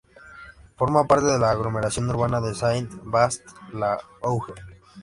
Forma parte de la aglomeración urbana de Saint-Vaast-la-Hougue.